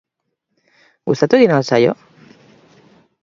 Gustatu egin al zaio?